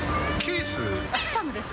あっ、スパムです。